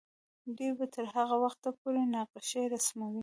دوی به تر هغه وخته پورې نقشې رسموي.